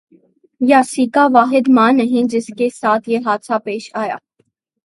یاسیکا واحد ماں نہیں جس کے ساتھ یہ حادثہ پیش آیا